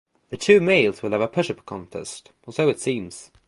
The two males will have a push up contest, or so it seems.